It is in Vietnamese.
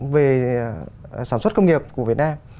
về sản xuất công nghiệp của việt nam